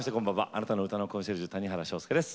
あなたの歌のコンシェルジュ谷原章介です。